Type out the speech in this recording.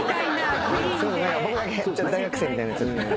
僕だけ大学生みたいな。